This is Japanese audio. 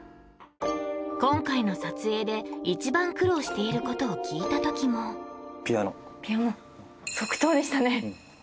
今回の撮影で一番苦労していることを聞いたときもピアノ即答でしたね